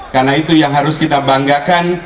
karena itu yang harus kita banggakan